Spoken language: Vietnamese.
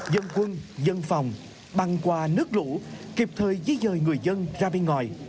dân quân dân phòng băng qua nước lũ kịp thời dí dời người dân ra bên ngoài